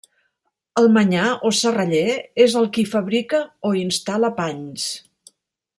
El manyà o serraller és el qui fabrica o instal·la panys.